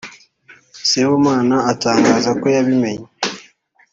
Sibomana atangaza ko yabimenye